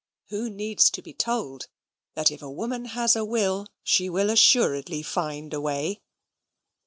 Who needs to be told, that if a woman has a will she will assuredly find a way?